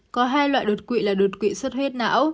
có hai loại đột quỵ là đột quỵ suất huyết não